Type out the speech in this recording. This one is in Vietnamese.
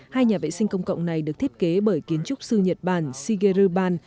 hai nhà vệ sinh công cộng này được thiết kế bởi kiến trúc sư nhật bản shigeru ban